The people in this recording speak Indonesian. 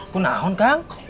punah on kang